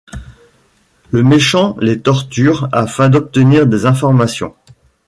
Le méchant les torture afin d'obtenir des informations.